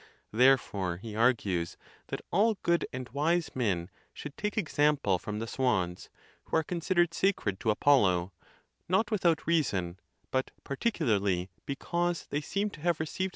Therefore, he argues, that all good and wise men should take example from the _ swans, who are considered sacred to Apollo, not without reason, but particularly because they seem to have received ON THE CONTEMPT OF DEATH.